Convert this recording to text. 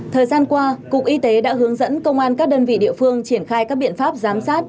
thời gian qua cục y tế đã hướng dẫn công an các đơn vị địa phương triển khai các biện pháp giám sát